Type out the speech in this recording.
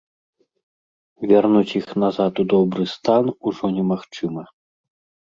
Вярнуць іх назад у добры стан ужо немагчыма.